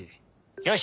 よし！